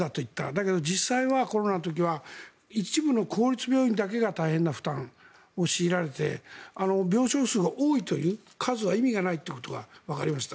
だけど実際はコロナの時は一部の公立病院だけが大変な負担を強いられて病床数は多いという数は意味がないということがわかりました。